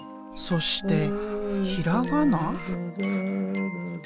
そしてひらがな？